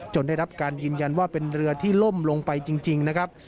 ได้รับการยืนยันว่าเป็นเรือที่ล่มลงไปจริงนะครับ